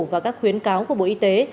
và các khuyến cáo của bộ y tế